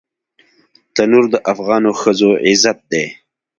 تنور د افغانو ښځو عزت دی